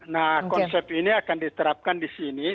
nah konsep ini akan diterapkan di sini